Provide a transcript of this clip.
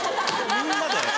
みんなで。